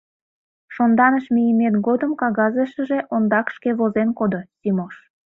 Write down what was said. — Шонданыш мийымет годым кагазешыже ондак шке возен кодо, Симош!